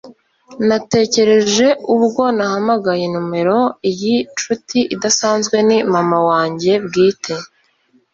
natekereje ubwo nahamagaye nimero, iyi nshuti idasanzwe ni mama wanjye bwite